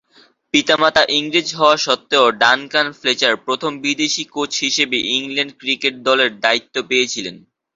পিতা-মাতা ইংরেজ হওয়া স্বত্ত্বেও ডানকান ফ্লেচার প্রথম বিদেশী কোচ হিসেবে ইংল্যান্ড ক্রিকেট দলের দায়িত্ব পেয়েছিলেন।